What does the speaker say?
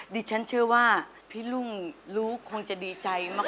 ดิฉันเชื่อว่าพี่รุ่งรู้คงจะดีใจมาก